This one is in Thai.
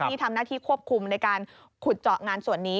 ที่ทำหน้าที่ควบคุมในการขุดเจาะงานส่วนนี้